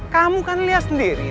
kamu kan lihat sendiri